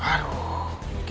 bandara war uc us